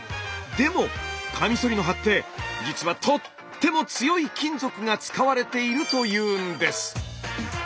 でもカミソリの刃って実はとっても強い金属が使われているというんです。